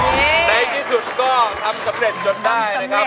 ในที่สุดก็ทำสำเร็จจนได้นะครับ